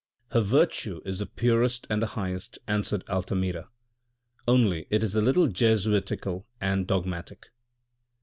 " Her virtue is the purest and the highest," answered Altamira, " only it is a little Jesuitical and dogmatic.